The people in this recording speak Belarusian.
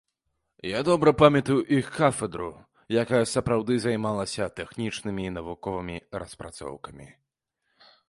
Я добра памятаю іх кафедру, якая сапраўды займалася тэхнічнымі навуковымі распрацоўкамі.